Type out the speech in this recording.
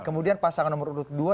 kemudian pasangan nomor urut dua